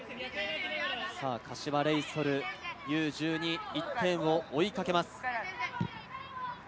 柏レイソルＵ−１２、１点を追いかけます。